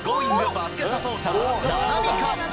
バスケサポーター、菜波か？